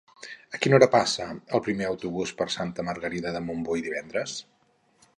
A quina hora passa el primer autobús per Santa Margarida de Montbui divendres?